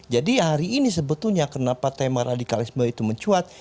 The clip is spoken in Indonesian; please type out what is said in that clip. jadi hari ini sebetulnya kenapa tema radikalisme itu mencuat